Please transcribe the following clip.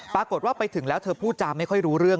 ปรากฏว่าไปถึงแล้วเธอพูดจาไม่ค่อยรู้เรื่อง